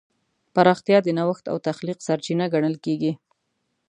پراختیا د نوښت او تخلیق سرچینه ګڼل کېږي.